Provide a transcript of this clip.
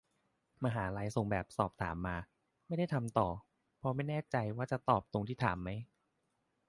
มหาลัยส่งแบบสอบถามมา ไม่ได้ทำต่อ เพราะไม่แน่ใจว่าจะตอบตรงที่ถามไหม